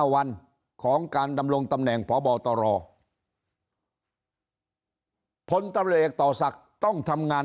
วันของการดำรงตำแหน่งพบตรพลตำรวจต่อศักดิ์ต้องทำงาน